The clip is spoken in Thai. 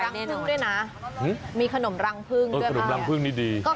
คุณก็ขอผมนะด้วยนะมีขนมรังพึ่งด้วยครับอ๋อขนมรังพึ่งนี่ดี